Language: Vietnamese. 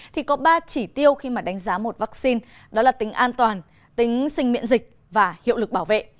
thì có ba chỉ tiêu khi đánh giá một vaccine đó là tính an toàn tính sinh miễn dịch và hiệu lực bảo vệ